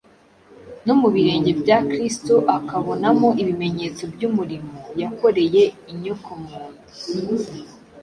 no mu birenge bya Kristo akabonamo ibimenyetso by’umurimo yakoreye inyokomuntu,